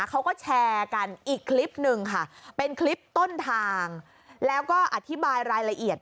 เขาก็แชร์กันอีกคลิปหนึ่งค่ะเป็นคลิปต้นทางแล้วก็อธิบายรายละเอียด